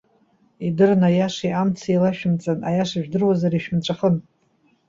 Идырны аиашеи амци еилашәымҵан, аиаша жәдыруазар, ишәымҵәахын.